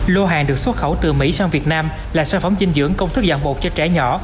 lô hàng được xuất khẩu từ mỹ sang việt nam là sản phẩm dinh dưỡng công thức giảng bột cho trẻ nhỏ